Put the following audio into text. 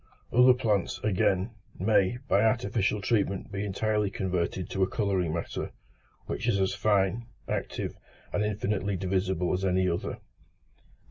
Other plants, again, may, by artificial treatment be entirely converted to a colouring matter, which is as fine, active, and infinitely divisible as any other.